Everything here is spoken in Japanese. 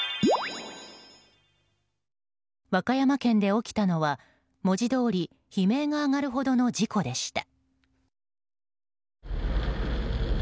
和歌山県で起きたのは文字どおり悲鳴が上がるほどの事故でした。